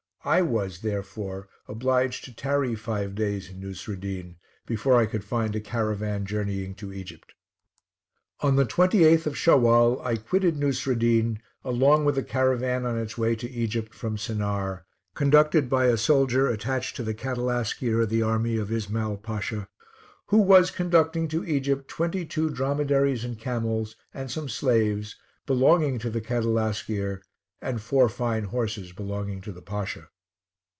I was, therefore, obliged to tarry five days in Nousreddin before I could find a caravan journeying to Egypt. On the 28th of Shawal, I quitted Nousreddin, along with a caravan on its way to Egypt from Sennaar, conducted by a soldier attached to the Cadilaskier of the army of Ismael Pasha, who was conducting to Egypt twenty two dromedaries and camels, and some slaves, belonging to the Cadilaskier, and four fine horses belonging to the Pasha.